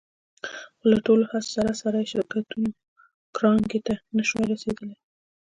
خو له ټولو هڅو سره سره يې شرکتونه کارنګي ته نه شوای رسېدای.